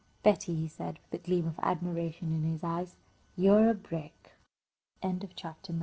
"Betty," he said, with a gleam of admiration in his eyes, "you're a brick!" CHAPTER X.